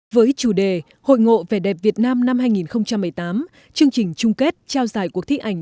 với chủ đề hội ngộ vẻ đẹp việt nam năm hai nghìn một mươi tám chương trình chung kết trao giải cuộc thi ảnh